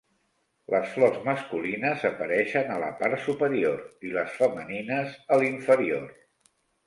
Les flors masculines apareixen a la part superior i les femenines a l'inferior.